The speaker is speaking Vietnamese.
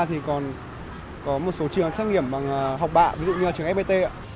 thì còn có một số trường xét nghiệm bằng học bạ ví dụ như trường fpt